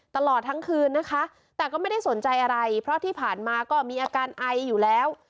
ตลอดทั้งคืนนะคะแต่ก็ไม่ได้สนใจอะไรเพราะที่ผ่านมาก็มีอาการไออยู่แล้ว